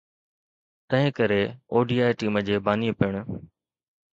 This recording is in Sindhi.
تنهن ڪري ODI ٽيم جي باني پڻ